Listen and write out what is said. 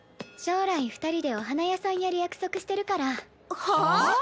将来２人でお花屋さんやる約束してるからはあ！？